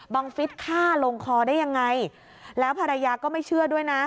ฟิศฆ่าลงคอได้ยังไงแล้วภรรยาก็ไม่เชื่อด้วยนะ